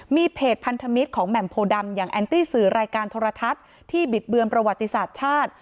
มีเพจพันธมิตรของแหม่มโพดำอย่างแอนตี้สื่อรายการโทรทัศน์ที่บิดเบือนประวัติศาสตร์ชาติ